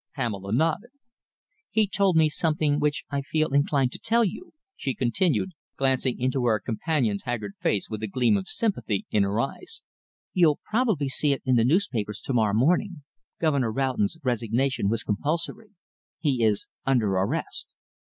Pamela nodded. "He told me something which I feel inclined to tell you," she continued, glancing into her companion's haggard face with a gleam of sympathy in her eyes. "You'll probably see it in the newspapers to morrow morning. Governor Roughton's resignation was compulsory. He is under arrest."